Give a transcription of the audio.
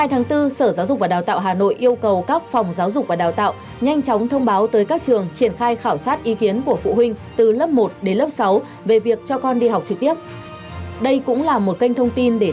hãy đăng ký kênh để ủng hộ kênh của chúng mình nhé